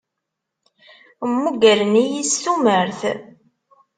Mmugren-iyi s tumert.